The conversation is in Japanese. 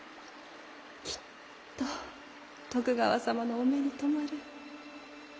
きっと徳川様のお目に留まる。